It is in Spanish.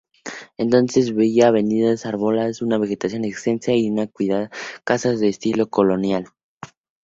Entonces tenía avenidas arboladas, una vegetación extensa y cuidada y casas de estilo colonial.